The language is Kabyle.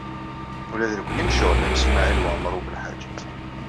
Ula d nekkni necɣel am Smawil Waɛmaṛ U Belḥaǧ.